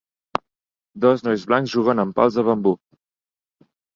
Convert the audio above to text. Dos nois blancs juguen amb pals de bambú.